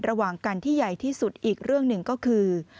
ระหว่างกันที่ใหญ่ที่สุดอีกเรื่องหนึ่งก็คือ